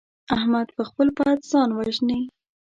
احمد پر خپل پت ځان وژني.